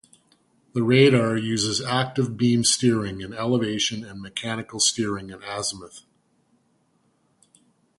The radar uses active beam steering in elevation and mechanical steering in azimuth.